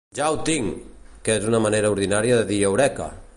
Ja ho tinc!- que és una manera ordinària de dir Eureka!